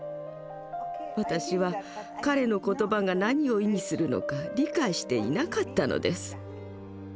私は彼の言葉が何を意味するのか理解していなかったのです。